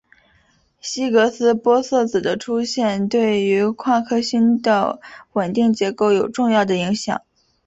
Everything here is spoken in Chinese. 希格斯玻色子的出现对于夸克星的稳定结构有重要的影响。